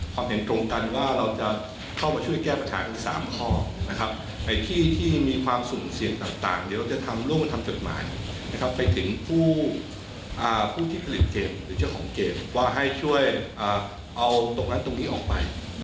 การเล่นโปรแกโมนในการแก้ไขและประชาสัมพันธ์คำแนะนำ